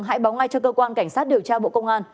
hãy báo ngay cho cơ quan cảnh sát điều tra bộ công an